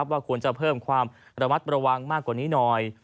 ว่าควรจะเพิ่มความระมัดระวังมากกว่านี้หน่อย